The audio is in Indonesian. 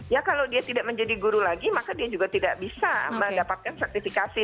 ya kalau dia tidak menjadi guru lagi maka dia juga tidak bisa mendapatkan sertifikasi